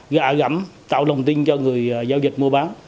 gã gắm tạo lồng tin cho người giao dịch mua bán